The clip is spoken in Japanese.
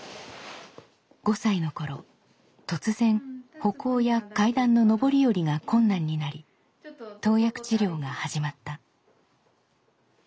５歳の頃突然歩行や階段の上り下りが困難になり投薬治療が始まった。